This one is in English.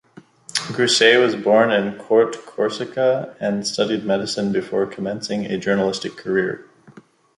Grousset was born in Corte, Corsica, and studied medicine before commencing a journalistic career.